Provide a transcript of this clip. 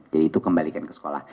jadi itu kembalikan ke sekolah